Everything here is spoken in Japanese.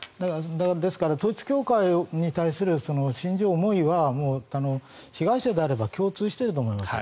ですから統一教会に対する心情、思いは被害者であれば共通していると思います。